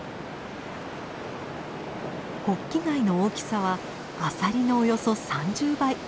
ホッキ貝の大きさはアサリのおよそ３０倍。